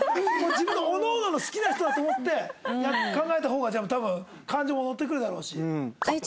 自分の各々の好きな人だと思って考えた方がじゃあ多分感情も乗ってくるだろうし。